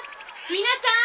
皆さん